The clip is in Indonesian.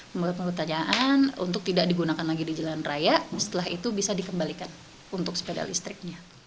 membuat pertanyaan untuk tidak digunakan lagi di jalan raya setelah itu bisa dikembalikan untuk sepeda listriknya